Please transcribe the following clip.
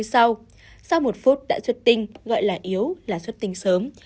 như sau sau một phút đã xuất tinh gọi là yếu là xuất tinh sớm